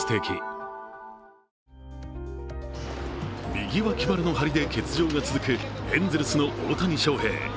右脇腹の張りで欠場が続くエンゼルスの大谷翔平。